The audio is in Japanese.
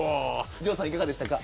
城さん、いかがでしたか。